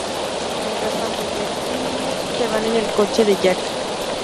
Mientras tanto, Jack y Vivian se van en el coche de Jack.